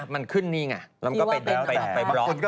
มันขึ้นนี่ไงแล้วมันก็เป็นแบบไปบล็อค